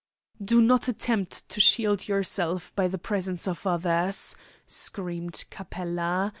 "Do not attempt to shield yourself by the presence of others!" screamed Capella.